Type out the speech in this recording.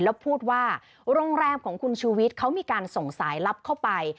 แล้วพูดว่าโรงแรมของคุณชูวิทย์เขามีการส่งสายลับเข้าไป